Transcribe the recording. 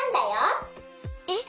えっ？